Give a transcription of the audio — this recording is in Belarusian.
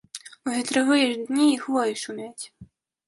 У ветравыя ж дні і хвоі шумяць.